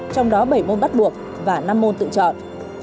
trong đó bảy môn bắt buộc và năm môn tự chọn